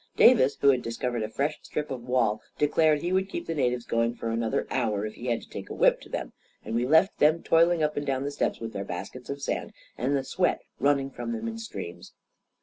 Davis, who had discovered a fresh strip of wall, declared he would keep the natives going for another hour if he had to take a whip to them; and we left them toiling up and down the steps with their baskets of sand, and the sweat running from them in streams.